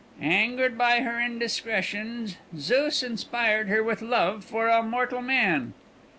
"Angered by her indiscretions, Zeus inspired her with love for a mortal man."